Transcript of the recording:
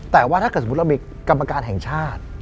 แต่ว่าถ้าเกิดสมมุติเรามีกรรมการแห่งชาติ